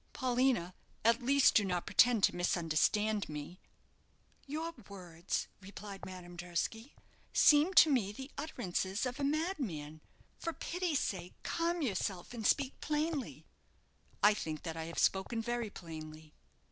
"Paulina, at least do not pretend to misunderstand me." "Your words," replied Madame Durski, "seem to me the utterances of a madman. For pity's sake, calm yourself, and speak plainly." "I think that I have spoken, very plainly."